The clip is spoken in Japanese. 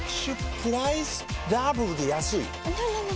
プライスダブルで安いＮｏ！